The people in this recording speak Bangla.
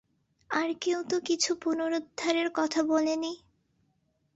আর কেউ তো কিছু পুনরুদ্ধারের কথা বলেনি।